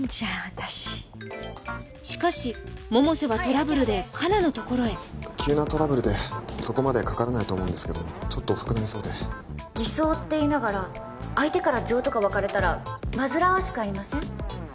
私しかし百瀬はトラブルで香菜のところへ急なトラブルでそこまでかからないと思うんですけどちょっと遅くなりそうで偽装って言いながら相手から情とか湧かれたら煩わしくありません？